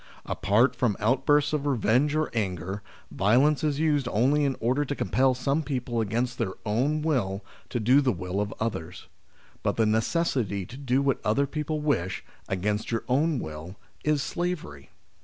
Apart from outbursts of revenge or anger, violence is used only in order to compel some people against tbeir own will to do the will of others. But the necessity to do what other people wish, against your own will, is slavery.